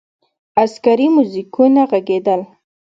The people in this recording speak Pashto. عسکري موزیکونه ږغېدل.